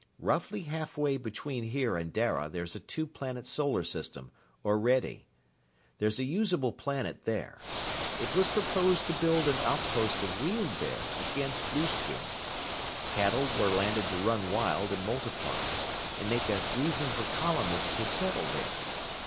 Roughly halfway between here and Dara there's a two planet solar system, Orede. There's a usable planet there. It was proposed to build an outpost of Weald there, against blueskins. Cattle were landed to run wild and multiply and make a reason for colonists to settle there.